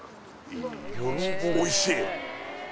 おいしい？